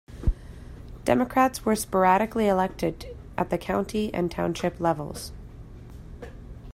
Democrats were sporadically elected at the county and township levels.